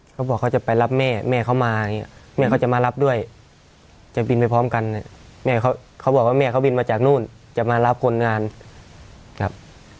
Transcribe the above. เขาบอกเขาจะไปรับแม่แม่เขามาอย่างนี้แม่เขาจะมารับด้วยจะบินไปพร้อมกันเนี่ยแม่เขาบอกว่าแม่เขาบินมาจากนู่นจะมารับคนงานครับ